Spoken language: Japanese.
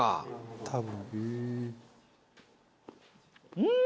多分。